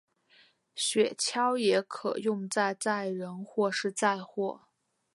雪橇也可用在载人或是载货。